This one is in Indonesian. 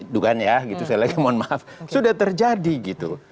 dugaan ya gitu saya lagi mohon maaf sudah terjadi gitu